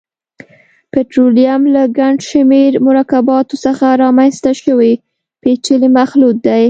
پټرولیم له ګڼشمېر مرکباتو څخه رامنځته شوی پېچلی مخلوط دی.